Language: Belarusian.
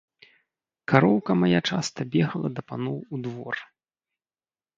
Кароўка мая часта бегала да паноў у двор.